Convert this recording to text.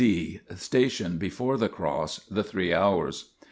(d) Station before the Cross. The Three Hours.